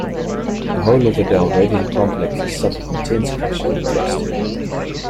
The whole of the Dalradian complex has suffered intense crushing and thrusting.